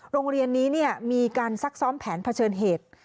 โรงเรียนนี้มีการซักซ้อมแผนเผชิญเหตุ